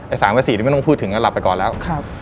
ไอ้สามขวัญสี่ที่ไม่ต้องพูดถึงก็หลับไปก่อนแล้ว